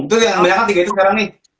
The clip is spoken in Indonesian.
itu yang banyak tiga itu sekarang nih